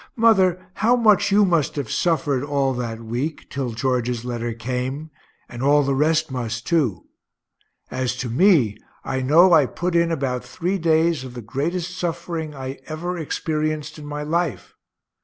Mother, how much you must have suffered, all that week, till George's letter came and all the rest must too. As to me, I know I put in about three days of the greatest suffering I ever experienced in my life.